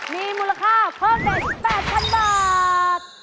มีมูลค่าเพิ่มเป็น๑๘๐๐๐บาท